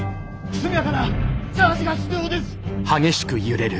速やかなチャージが必要です」。